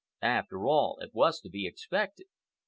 After all, it was to be expected.